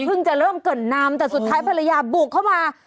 จะเริ่มเกิดนำแต่สุดท้ายภรรยาบุกเข้ามา